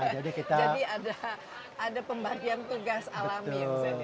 jadi ada pembagian tugas alami